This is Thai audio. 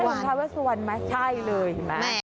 เหรียญทาเวสวันไหมใช่เลยใช่ไหม